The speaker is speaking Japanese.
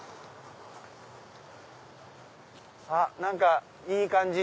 あっ何かいい感じ！